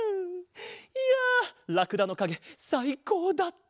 いやラクダのかげさいこうだった！